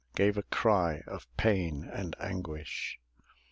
Gave a cry of pain and anguish.